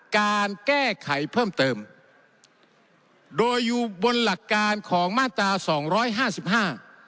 การแก้ไขเพิ่มเติมโดยอยู่บนหลักการของมาตราสองร้อยห้าสิบห้า